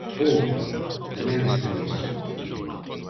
Outro, tamén deste mes.